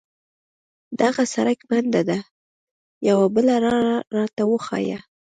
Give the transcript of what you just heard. دغه سړک بند ده، یوه بله لار راته وښایه.